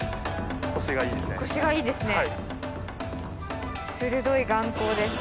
腰がいいですね。